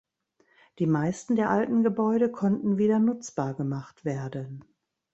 Die meisten der alten Gebäude konnten wieder nutzbar gemacht werden.